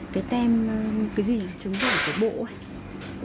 cái tem chống giả của bộ